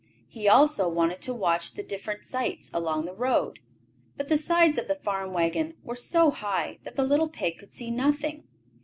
He also wanted to watch the different sights along the road. But the sides of the farm wagon were so high that the little pig could see nothing.